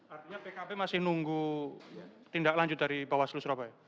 artinya pkb masih nunggu tindak lanjut dari bawaslu surabaya